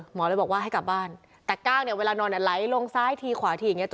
หมอเลยบอกว่าให้กลับบ้านแต่ก้างเนี่ยเวลานอนไหลลงซ้ายทีขวาทีอย่างเงี้